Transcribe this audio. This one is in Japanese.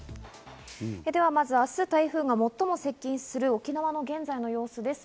ではまず明日、台風が最も接近する沖縄の現在の様子です。